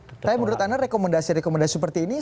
tapi menurut anda rekomendasi rekomendasi seperti ini